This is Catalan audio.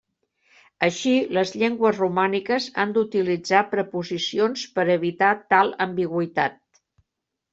Així, les llengües romàniques han d'utilitzar preposicions per a evitar tal ambigüitat.